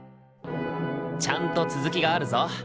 ちゃんと続きがあるぞ。